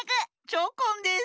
チョコンです。